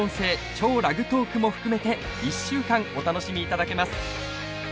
超ラグトークも含めて１週間お楽しみいただけます。